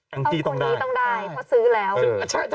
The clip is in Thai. เอาคนนี้ต้องได้เขาซื้อแล้วใช่ใช่